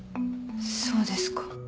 そうですか。